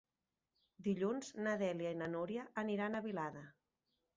Dilluns na Dèlia i na Núria aniran a Vilada.